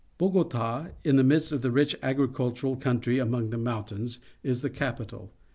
— Bogota, in the midst of a rich agricultural countrj'^ among the mountains, is the capital.